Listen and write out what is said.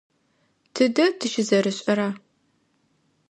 Тыдэ тыщызэрэшӏэра?